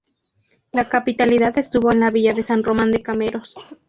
La capitalidad estuvo en la villa de San Román de Cameros.